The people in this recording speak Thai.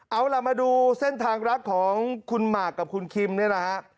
เอาล่ะมาดูเส้นทางรักของคุณหมากกับคุณคิมเนี่ยนะฮะ